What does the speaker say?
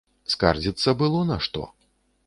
Скардзіцца было на што.